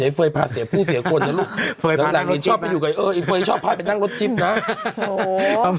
ใส่ไอ้เฟยย์พาเสี่ยงผู้เสียคนน่ะลูกเค้าพาไปนั่งรถจิ๊บนะจิ๊บนะ